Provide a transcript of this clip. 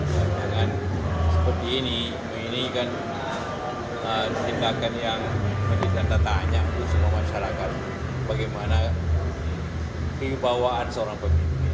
jangan seperti ini ini kan tindakan yang lebih jantan tanya untuk semua masyarakat bagaimana keibawaan seorang pemimpin